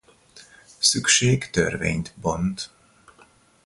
Szükség törvényt bont.